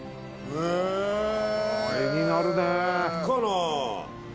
絵になるね。